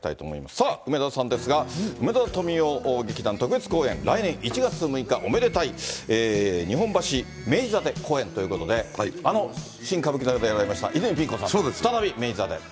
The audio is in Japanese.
さあ、梅沢さんですが、梅沢富美男劇団特別公演、来年１月６日おめでたい日本橋・明治座で公演ということで、あの新歌舞伎座でやられました泉ピン子さんと再び、明治座で。